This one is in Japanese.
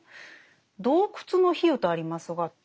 「洞窟の比喩」とありますが。